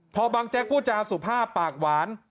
พอบางแจ๊กพูดจาสุภาพปากหวาน